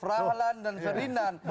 rahlan dan ferinand